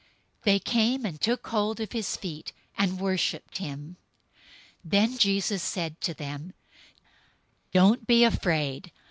They came and took hold of his feet, and worshiped him. 028:010 Then Jesus said to them, "Don't be afraid.